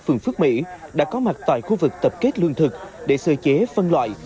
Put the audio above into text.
phường phước mỹ đã có mặt tại khu vực tập kết lương thực để sơ chế phân loại